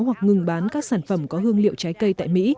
hoặc ngừng bán các sản phẩm có hương liệu trái cây tại mỹ